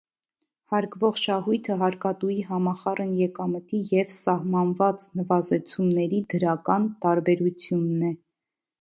Հարկվող շահույթը հարկատուի համախառն եկամտի և սահմանված նվազեցումների դրական տարբերությունն է։